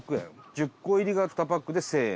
１０個入りが２パックで１０００円。